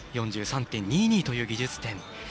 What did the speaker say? ４３．２２という技術点。